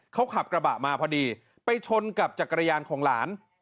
เขาขับกระบะมาพอดีไปชนกับจักรยานของหลาน